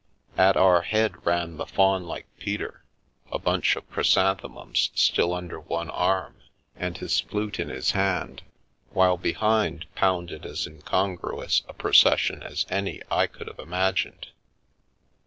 At our head ran the faun like Peter, a bunch of chrysanthemums still under one arm and his flute in his hand, while behind pounded as incongruous a procession as any I could have imagined.